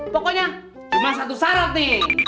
pokoknya cuma satu syarat nih